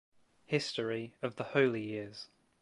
History of the Holy Years.